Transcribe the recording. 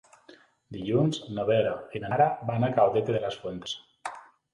Dilluns na Vera i na Nara van a Caudete de las Fuentes.